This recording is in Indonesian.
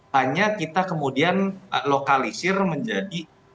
hanya kita kemudian lokalisir menjadi